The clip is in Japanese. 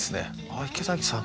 「あ池崎さん